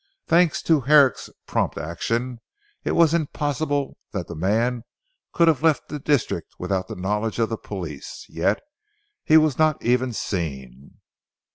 Thanks to Herrick's prompt action, it was impossible that the man could have left the district without the knowledge of the police, yet he was not even seen.